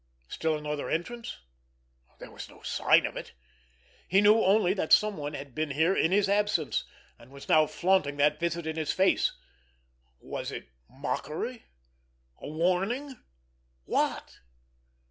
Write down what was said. Still another entrance? There was no sign of it! He knew only that someone had been here in his absence—and was now flaunting that visit in his face. Was it mockery? A warning? What?